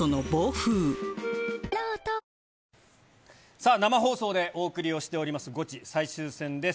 さあ、生放送でお送りをしております、ゴチ最終戦です。